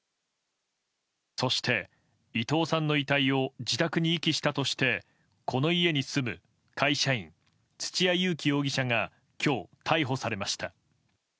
そして、伊藤さんの遺体を自宅に遺棄したとしてこの家に住む会社員土屋勇貴容疑者が今日、逮捕されました。